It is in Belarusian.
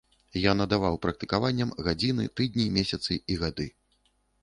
Я надаваў практыкаванням гадзіны, тыдні, месяцы і гады.